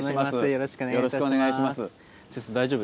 よろしくお願いします。